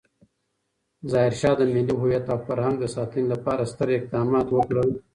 ظاهرشاه د ملي هویت او فرهنګ د ساتنې لپاره ستر اقدامات وکړل.